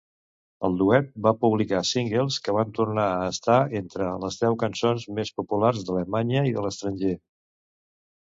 El duet va publicar singles que van tornar a estar entre les deu cançons més populars d'Alemanya i de l'estranger.